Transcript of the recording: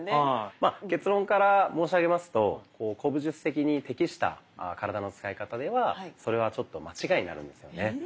まあ結論から申し上げますと古武術的に適した体の使い方ではそれはちょっと間違いになるんですよね。